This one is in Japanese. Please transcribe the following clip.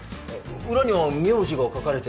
裏には名字が書かれてる。